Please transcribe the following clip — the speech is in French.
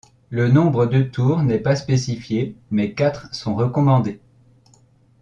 Le nombre de tours n'est pas spécifié mais quatre sont recommandés.